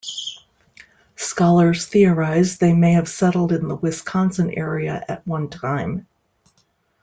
Scholars theorize they may have settled in the Wisconsin area at one time.